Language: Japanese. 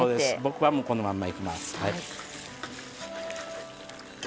僕はこのまんまいきます。